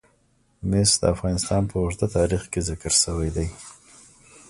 مس د افغانستان په اوږده تاریخ کې ذکر شوی دی.